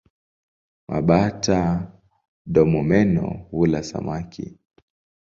Mabata-domomeno hula samaki.